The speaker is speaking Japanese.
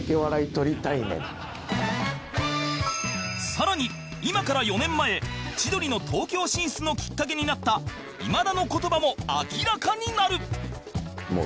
さらに今から４年前千鳥の東京進出のきっかけになった今田の言葉も明らかになる